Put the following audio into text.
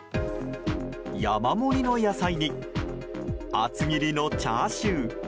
山盛りの野菜に厚切りのチャーシュー。